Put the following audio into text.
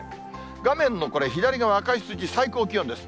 画面の左側、赤い数字、最高気温です。